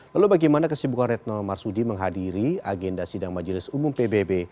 lalu bagaimana kesibukan retno marsudi menghadiri agenda sidang majelis umum pbb